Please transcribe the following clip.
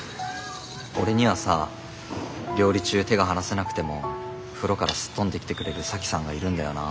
俺にはさ料理中手が離せなくても風呂からすっ飛んできてくれる沙樹さんがいるんだよなあって。